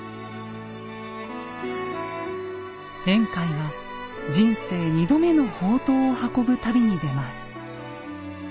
円海は人生２度目の法灯を運ぶ旅に出ます。